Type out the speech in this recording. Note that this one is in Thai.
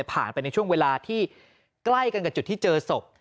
ผ่านไปในช่วงเวลาที่ใกล้กันกับจุดที่เจอศพ